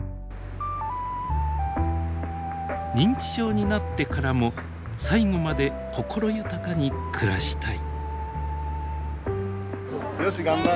認知症になってからも最後まで心豊かに暮らしたい。